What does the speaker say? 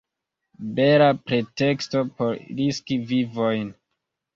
Bela preteksto por riski vivojn!